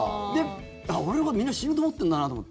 俺のこと、みんな死ぬと思ってんだなと思って。